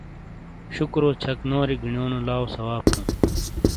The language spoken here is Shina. شُکورو چَھک نوری گینیونو لاؤ ثواب ہوں ۔